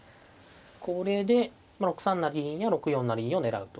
これで６三成銀や６四成銀を狙うと。